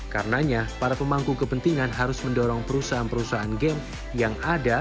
karenanya para pemangku kepentingan harus mendorong perusahaan perusahaan game yang ada